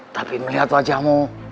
tapi melihat wajahmu